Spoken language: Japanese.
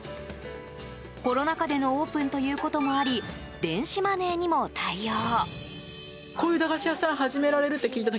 コロナ禍でのオープンということもあり電子マネーにも対応。